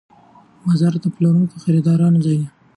بازار د پلورونکو او خریدارانو ځای دی.